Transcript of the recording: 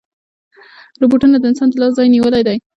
روبوټونه د انسان د لاس ځای نیولی دی.